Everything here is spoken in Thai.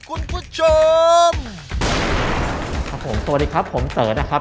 คุณผู้ชมครับผมสวัสดีครับผมเต๋อนะครับ